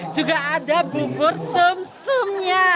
juga ada bubur sum sumnya